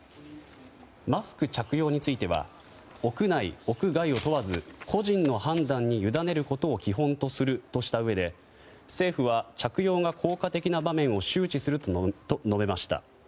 マスク着用については屋内・屋外を問わず個人の判断に委ねることを基本とするとしたうえで政府は着用が効果的な場面を周知すると述べました。